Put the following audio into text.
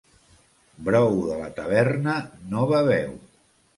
Brou de la taverna no beveu.